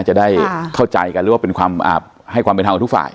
จะได้เข้าใจกันหรือว่าเป็นความให้ความเป็นธรรมกับทุกฝ่าย